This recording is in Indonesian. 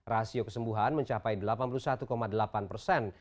rasio kesembuhan mencapai delapan puluh satu delapan persen